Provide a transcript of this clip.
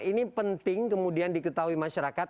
ini penting kemudian diketahui masyarakat